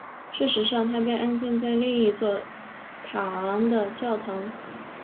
事实上她被安葬在另一座卡昂的教堂。